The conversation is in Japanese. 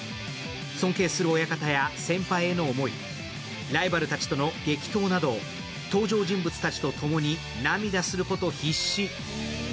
尊敬する親方や先輩への思い、ライバルたちとの激闘など、登場人物たちとともに涙すること必至。